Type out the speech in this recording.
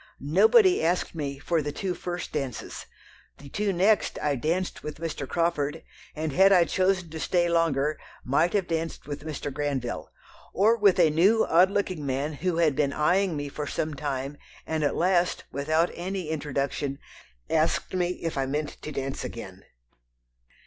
Nobody asked me for the two first dances; the two next I danced with Mr. Crawford, and had I chosen to stay longer might have danced with Mr. Granville ... or with a new odd looking man who had been eyeing me for some time, and at last, without any introduction, asked me if I meant to dance again."